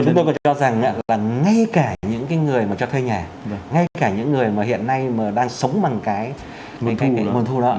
chúng tôi có cho rằng là ngay cả những cái người mà cho thuê nhà ngay cả những người mà hiện nay đang sống bằng cái nguồn thu đó